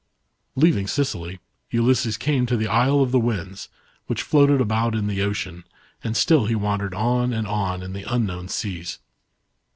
Leaving Sicily, Ulysses came to the Isle of the Winds, which floated about in the ocean, and still he wandered on and on in the unknown seas.